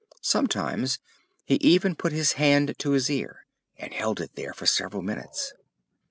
Sometimes he even put his hand to his ear and held it there for several minutes.